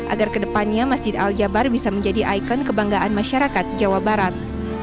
agar kedepannya masjid al jabar bisa menjadi ikon kebanggaan masyarakat jawa barat